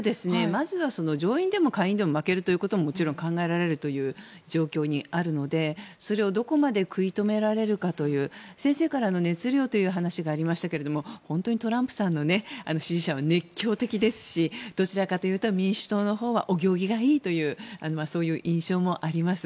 まずは上院でも下院でも負けるということももちろん考えられるという状況にあるのでそれを、どこまで食い止められるかという先生からは熱量という話がありましたが本当にトランプさんの支持者は熱狂的ですしどちらかというと民主党のほうはお行儀がいいという印象もあります。